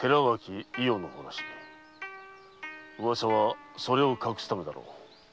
噂はそれを隠すためだろう。